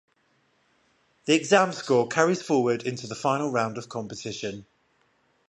The exam score carries forward into the final round of competition.